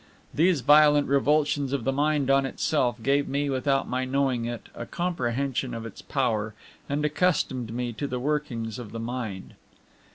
These violent revulsions of the mind on itself gave me, without my knowing it, a comprehension of its power, and accustomed me to the workings of the mind.